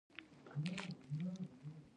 اسلامي ټولنې ځینو برخو ته خپګان خبره وه